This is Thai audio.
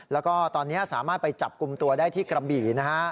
แล้วก็ตอนนี้สามารถไปจับกลุ่มตัวได้ที่กระบี่นะฮะ